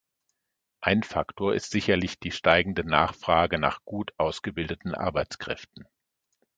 Ein Faktor ist sicherlich die steigende Nachfrage nach gut ausgebildeten Arbeitskräften.